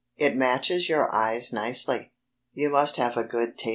It matches your eyes nicely.... You must have a good tailor."